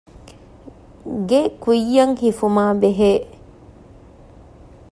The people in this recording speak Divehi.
ގެ ކުއްޔަށް ހިފުމާބެހޭ